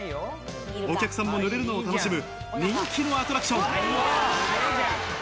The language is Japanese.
お客さんも、ぬれるのを楽しむ人気のアトラクション。